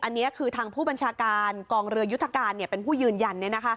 อันนี้คือทางผู้บัญชาการกองเรือยุทธการเป็นผู้ยืนยัน